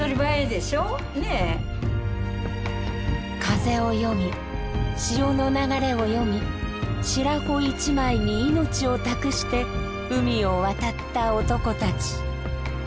風を読み潮の流れを読み白帆一枚に命を託して海を渡った男たち。